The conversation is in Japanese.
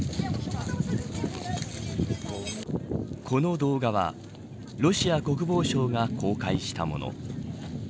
この動画はロシア国防省が公開したもの。